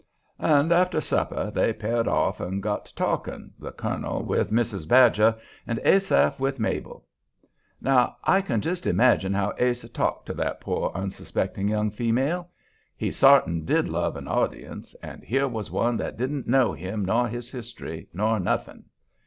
And after supper they paired off and got to talking, the colonel with Mrs. Badger, and Asaph with Mabel. Now, I can just imagine how Ase talked to that poor, unsuspecting young female. He sartin did love an audience, and here was one that didn't know him nor his history, nor nothing.